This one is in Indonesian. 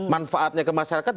manfaatnya ke masyarakat